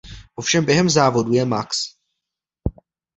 Ovšem během závodů je max.